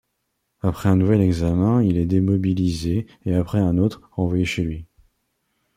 Après un nouvel examen, il est démobilisé et après un autre, renvoyé chez lui.